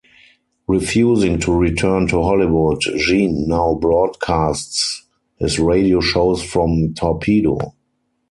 Refusing to return to Hollywood, Gene now broadcasts his radio shows from Torpedo.